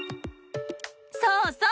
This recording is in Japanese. そうそう！